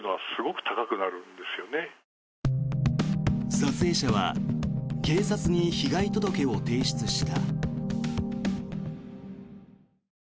撮影者は警察に被害届を提出した。